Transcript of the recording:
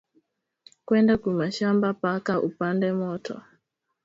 Kwenda ku mashamba paka upande moto